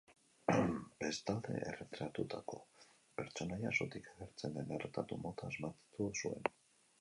Bestalde, erretratatutako pertsonaia zutik agertzen den erretratu mota asmatu zuen.